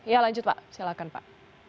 ya lanjut pak silakan pak